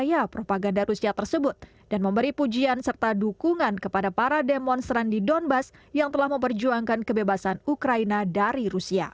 saya propaganda rusia tersebut dan memberi pujian serta dukungan kepada para demonstran di donbass yang telah memperjuangkan kebebasan ukraina dari rusia